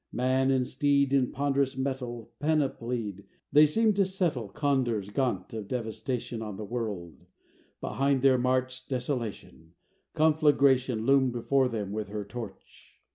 Man and steed in ponderous metal Panoplied, they seemed to settle, Condors gaunt of devastation, On the world: behind their march Desolation: Conflagration Loomed before them with her torch.